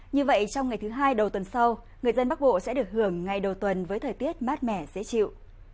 như vậy trong ngày thứ hai đầu tuần sau người dân bắc bộ sẽ được hưởng ngày đầu tuần với thời tiết mát mẻ dễ chịu